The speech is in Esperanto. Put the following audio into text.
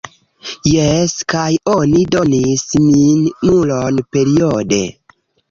Jes, kaj oni donis min nulon periode